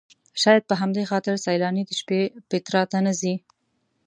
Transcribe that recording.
شاید په همدې خاطر سیلاني د شپې پیترا ته نه ځي.